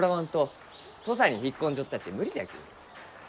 土佐に引っ込んじょったち無理じゃき。